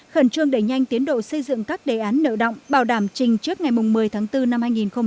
khẩn trương đẩy nhanh tiến độ xây dựng các đề án nợ động bảo đảm trình trước ngày một mươi tháng bốn năm hai nghìn hai mươi